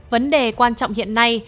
vấn đề quan trọng hiện nay